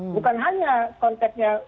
bukan hanya konteksnya